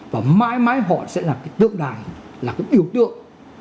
và mãi mãi họ sẽ là cái tượng đài là cái biểu tượng